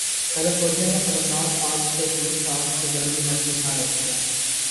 California میں خطرناک اگ سے فلم اسٹارز کے گھر بھی محفوظ نہ رہ سکے